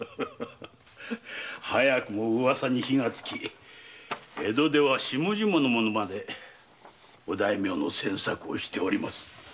早くも噂に火がつき江戸では下々の者までお大名の詮索をしております。